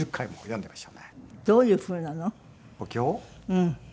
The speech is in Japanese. うん。